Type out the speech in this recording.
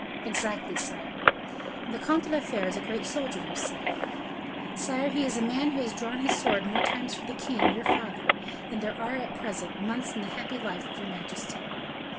"Exactly, sire." "And the Comte de la Fere is a great soldier, say you?" "Sire, he is a man who has drawn his sword more times for the king, your father, than there are, at present, months in the happy life of your majesty."